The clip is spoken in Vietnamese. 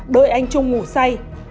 đợi anh trung ngủ say